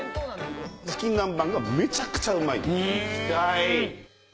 チキン南蛮がめちゃくちゃうまいっていう。